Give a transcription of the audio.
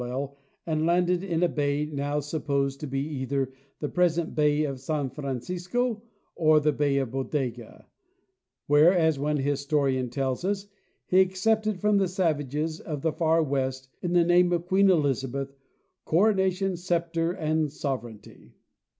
Mitchell— Oregon and landed in a bay, now supposed to be either the present bay of San Francisco or the bay of Bodega, where, as one historian tells us, he accepted from the savages of the far west, in the name of Queen Elizabeth, "' coronation, scepter, and sovereignty."